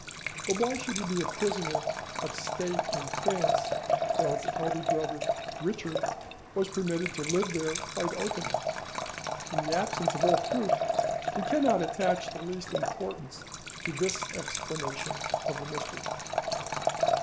But why should he be a prisoner of state in France, while his elder brother Richard was permitted to live there quite openly? In the absence of all proof, we cannot attach the least importance to this explanation of the mystery.